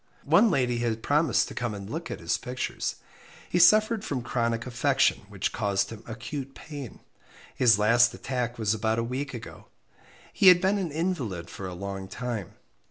One lady had promised to come and look at his pictures. He suffered from chronic affection, which caused him acute pain. His last attack was about a week ago. He had been an invalid for a long time.